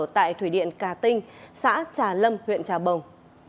tại thủy điện cà tinh xã trà lâm huyện trà bồng